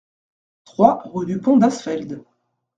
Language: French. trois rue du Pont d'Asfeld